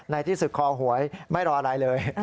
ในที่สุดคอหวยไม่รออะไรเลย